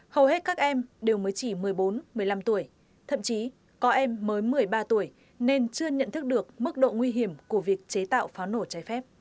hầu hết các em đều mới chỉ một mươi bốn một mươi năm tuổi thậm chí có em mới một mươi ba tuổi nên chưa nhận thức được mức độ nguy hiểm của việc chế tạo pháo nổ trái phép